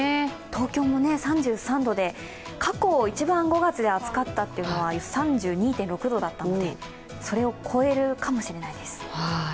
東京も３３度で、過去一番５月で暑かったというのは３２．６度だったので、それを超えるかもしれないです。